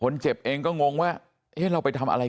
นี่คุณตูนอายุ๓๗ปีนะครับ